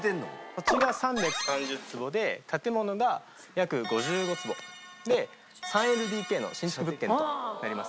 土地が３３０坪で建物が約５５坪で３ＬＤＫの新築物件となります。